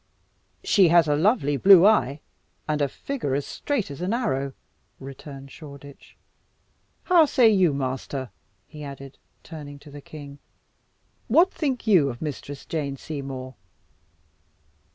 "She has a lovely blue eye, and a figure as straight as an arrow," returned Shoreditch. "How say you, master?" he added, turning to the king; "what think you of Mistress Jane Seymour?"